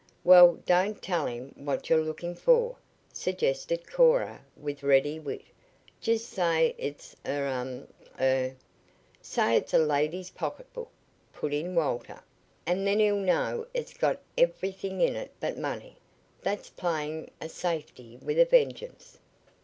"Well, don't tell him what you're looking for," suggested Cora with ready wit. "Just say it's er a er " "Say it's a lady's pocketbook," put in Walter, "and then he'll know it's got everything in it but money. That's playing a safety with a vengeance."